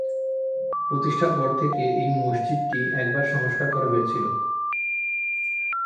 প্রতিষ্ঠার পর থেকে এই মসজিদটি একবার সংস্কার করা হয়েছিল।